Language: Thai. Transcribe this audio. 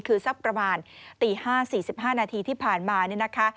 คือสักประมาณตี๕๔๕นาทีที่ผ่านมาเนี่ยนะคะ